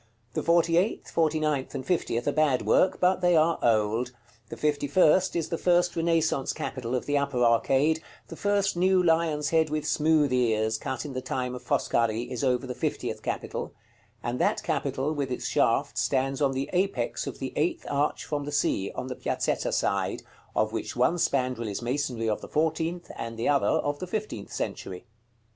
The forty eighth, forty ninth, and fiftieth are bad work, but they are old; the fifty first is the first Renaissance capital of the upper arcade: the first new lion's head with smooth ears, cut in the time of Foscari, is over the fiftieth capital; and that capital, with its shaft, stands on the apex of the eighth arch from the Sea, on the Piazzetta side, of which one spandril is masonry of the fourteenth and the other of the fifteenth century.